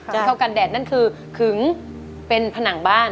เท่ากันแดดนั่นคือขึงเป็นผนังบ้าน